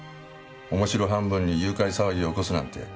面白半分に誘拐騒ぎを起こすなんて。